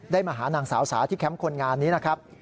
มาหานางสาวสาที่แคมป์คนงานนี้นะครับ